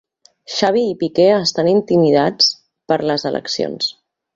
Xavi i Piqué estan intimidats per les eleccions